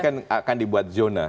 nanti akan dibuat zona